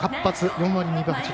４割２分８厘。